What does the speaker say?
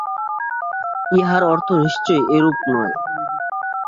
ইহার অর্থ নিশ্চয়ই এরূপ নয়।